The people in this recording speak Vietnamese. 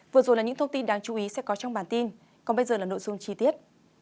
vừa rồi là những thông tin đáng chú ý sẽ có trong bản tin còn bây giờ là nội dung chi tiết